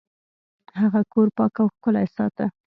هغه کور پاک او ښکلی ساته.